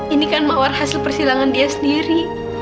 ini kan mawar hasil persilangan dia sendiri